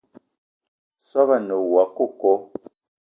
Soobo a ne woua coco